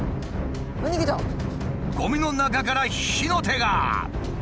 ゴミの中から火の手が。